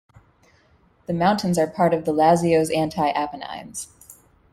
The mountains are part of the Lazio's Anti-Apennines.